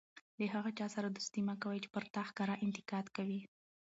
له هغه چا سره دوستي مه کوئ! چي پر تا ښکاره انتقاد کوي.